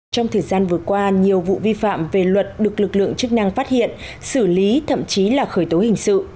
trong thời gian vừa qua nhiều vụ vi phạm về luật được lực lượng chức năng phát hiện xử lý thậm chí là khởi tố hình sự